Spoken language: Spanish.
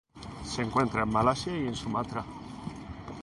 Se encuentra en Malasia y en Sumatra.